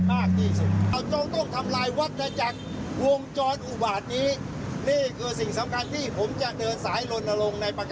และก็หวังว่าจะกลับมาเป็นรัฐบาลใหม่